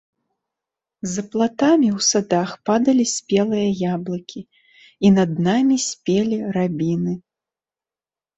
За платамі ў садах падалі спелыя яблыкі, і над намі спелі рабіны.